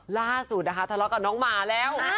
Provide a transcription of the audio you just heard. ล่าสุดนะคะทะเลาะกับน้องหมาแล้ว